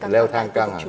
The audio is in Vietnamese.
léo thang căng hẳn